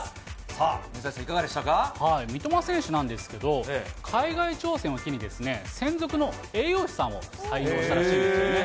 さあ、水谷さん、三笘選手なんですけど、海外挑戦を機に、専属の栄養士さんを採用したらしいんですよね。